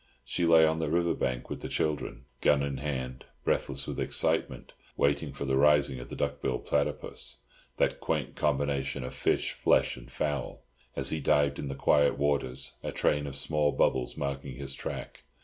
She lay on the river bank with the children, gun in hand, breathless with excitement, waiting for the rising of the duck billed platypus—that quaint combination of fish, flesh and fowl—as he dived in the quiet waters, a train of small bubbles marking his track.